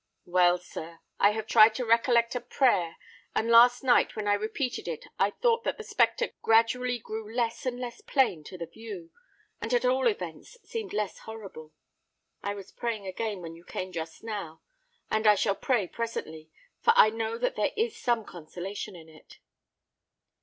"Well, sir—I have tried to recollect a prayer; and last night when I repeated it, I thought that the spectre gradually grew less and less plain to the view, and at all events seemed less horrible. I was praying again when you came just now—and I shall pray presently—for I know that there is some consolation in it."